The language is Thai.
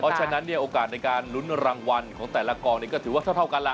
เพราะฉะนั้นเนี่ยโอกาสในการลุ้นรางวัลของแต่ละกองนี้ก็ถือว่าเท่ากันล่ะ